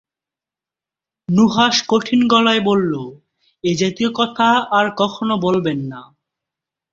নুহাশ কঠিন গলায় বলল, এ জাতীয় কথা আর কখনো বলবেন না।